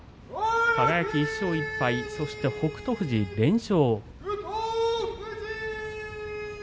輝１勝１敗、北勝富士連勝。